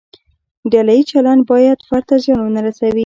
ډله ییز چلند باید فرد ته زیان ونه رسوي.